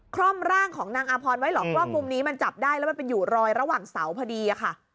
คล่อมร่างของนางอาพรไว้หรอกว่ามุมนี้มันจับได้แล้วมันเป็นอยู่รอยระหว่างเสาพอดีอะค่ะ